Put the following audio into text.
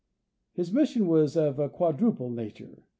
His mission was of a quadruple nature.